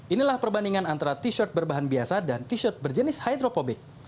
inilah perbandingan antara t shirt berbahan biasa dan t shirt berjenis hidropobic